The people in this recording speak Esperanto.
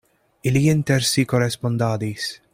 Ili inter si korespondadis.